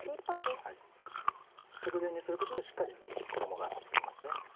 直前にすることでしっかり衣が付きますね。